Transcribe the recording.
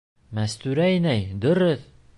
Мәстүрә инәй, дөрөҫ!